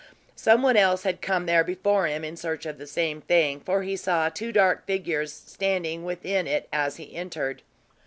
Some one else had come there before him, in search of the same thing; for he saw two dark figures standing within it as he entered.